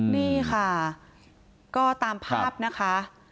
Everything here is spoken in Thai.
นี่ค่ะก็ตามภาพนะคะ